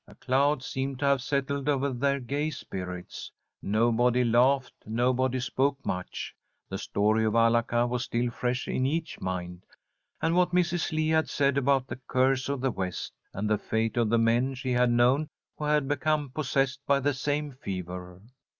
A cloud seemed to have settled over their gay spirits. Nobody laughed, nobody spoke much. The story of Alaka was still fresh in each mind, and what Mrs. Lee had said about the curse of the West, and the fate of the men she had known who had become possessed by the same fever.